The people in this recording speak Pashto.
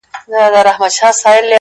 ځمه و لو صحراته؛